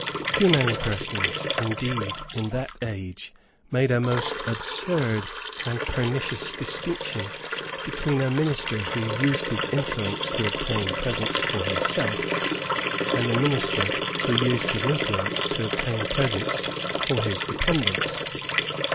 Too many persons, indeed, in that age made a most absurd and pernicious distinction between a minister who used his influence to obtain presents for himself and a minister who used his influence to obtain presents for his dependents.